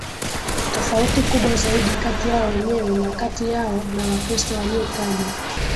tofauti kubwa zaidi kati yao wenyewe na kati yao na Wakristo waliotajwa